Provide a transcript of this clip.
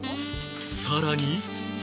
さらに